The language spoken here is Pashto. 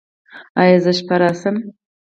ایا زه شپه راشم؟